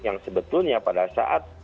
yang sebetulnya pada saat